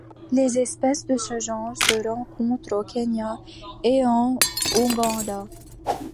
Les espèces de ce genre se rencontrent au Kenya et en Ouganda.